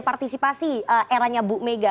partisipasi eranya bu mega